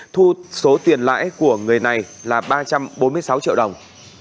thu số tiền lãi của người này là ba trăm bốn mươi sáu triệu đồng